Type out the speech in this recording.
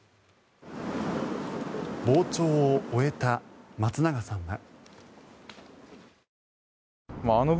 傍聴を終えた松永さんは。